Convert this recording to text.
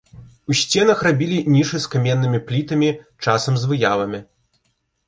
У сценах рабілі нішы з каменнымі плітамі, часам з выявамі.